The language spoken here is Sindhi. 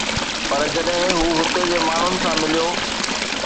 پر جڏهن هو هتي جي ماڻهن سان مليو